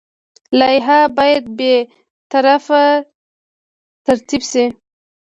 لایحه باید بې طرفه ترتیب شي.